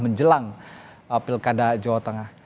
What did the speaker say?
menjelang pilkada jawa tengah